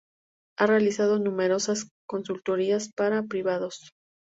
Ha realizado numerosas consultorías para privados.